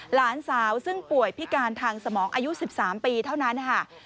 หลานสาวซึ่งป่วยพิการทางสมองอายุ๑๓ปีเท่านั้นค่ะ